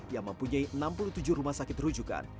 yang mempunyai enam puluh tujuh rumah sakit rujukan